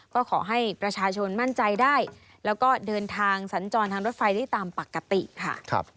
ก็ขอให้ประชาชนมั่นใจได้แล้วก็เดินทางสัญจรทางรถไฟได้ตามปกติค่ะ